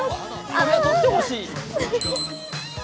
あれ取ってほしい。